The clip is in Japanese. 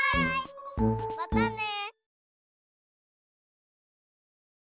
またね！